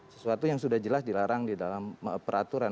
sesuatu yang sudah jelas dilarang di dalam peraturan